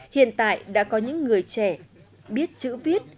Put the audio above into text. hiện tại đã có những người trẻ biết chữ viết